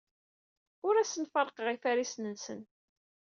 Ur asen-ferrqeɣ ifarisen-nsen.